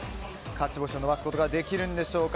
勝ち星を残すことはできるのでしょうか。